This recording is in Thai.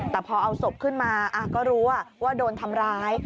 แต่พอเอาศพขึ้นมาก็รู้ว่าโดนทำร้าย